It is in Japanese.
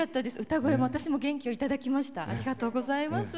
歌声、私も元気をいただきました。